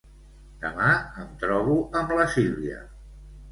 Demà em trobo amb la Sílvia.